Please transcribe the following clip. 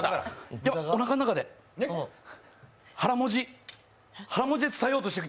でもおなかの中で、腹文字で伝えようとしてる。